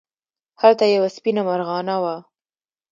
هلته یوه سپېنه مرغانه وه.